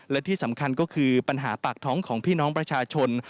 และที่สำคัญก็คือปัญหาปากท้องของพี่น้องประชาชน